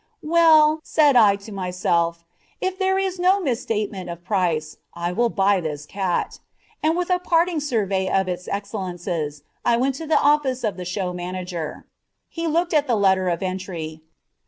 "Well," said I to myself, "if there is no misstatement of price, I will buy this cat," and, with a parting survey of its excellences, I went to the office of the show manager. He looked at the letter of entry.